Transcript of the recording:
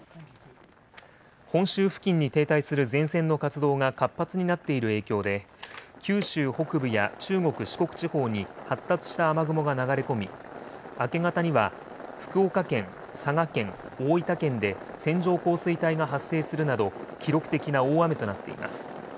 本州付近に停滞する前線の活動が活発になっている影響で、九州北部や中国、四国地方に発達した雨雲が流れ込み、明け方には福岡県、佐賀県、大分県で線状降水帯が発生するなど、記録的な大雨となっています。